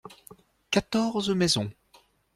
Quatorze maisons.